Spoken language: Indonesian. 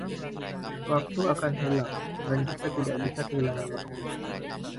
Waktu akan hilang, dan kita tidak bisa kehilangan waktu.